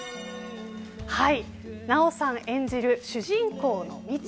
奈緒さん演じる主人公のみち。